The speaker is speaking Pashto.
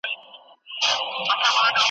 ګټه په سړه سینه کیږي